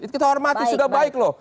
kita hormati sudah baik loh